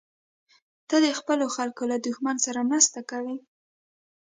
ته د خپلو خلکو له دښمن سره مرسته کوې.